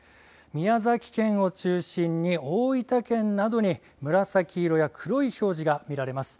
宮崎県を中心に大分県などに、紫色や黒い表示が見られます。